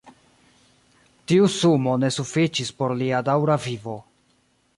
Tiu sumo ne sufiĉis por lia daŭra vivo.